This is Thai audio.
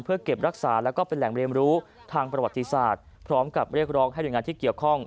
เพื่อเก็บรักษาแล้วก็เป็นแหล่งเรียนรู้ทางประวัติศาสตร์พร้อมกับเรียกร้องให้หน่วยงานที่เกี่ยวข้อง